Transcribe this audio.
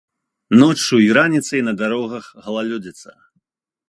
Ноччу і раніцай на дарогах галалёдзіца.